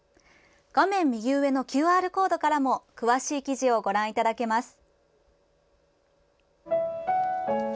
画面右上のＱＲコードからも詳しい記事をご覧いただけます。